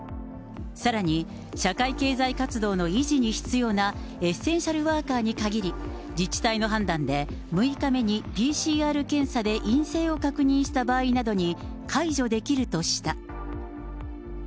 さらに、社会経済活動の維持に必要なエッセンシャルワーカーに限り、自治体の判断で６日目にＰＣＲ検査で陰性を確認した場合などに、解除できるとした。